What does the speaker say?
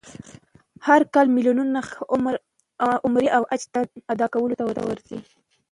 هر کال میلیونونه خلک عمره او حج ادا کولو ته ورځي.